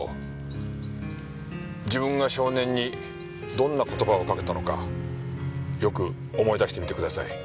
自分が少年にどんな言葉をかけたのかよく思い出してみてください。